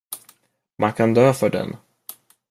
Man kan dö för den.